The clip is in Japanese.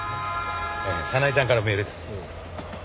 早苗ちゃんからメールです。